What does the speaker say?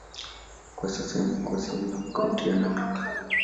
Kwa sasa imekuwa sehemu ya kaunti ya Narok.